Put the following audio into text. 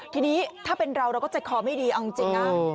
ทีนี้ถ้าเป็นเราเราก็ใจคอไม่ดีเอาจริงนะ